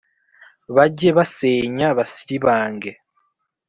Bajye basenya basiribange